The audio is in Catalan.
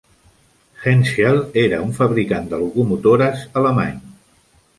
Henschel era un fabricant de locomotores alemany.